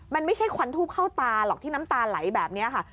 มันไม่ใช่ควันทูบเข้าตาหรอกที่น้ำตาไหลแบบนี้ค่ะ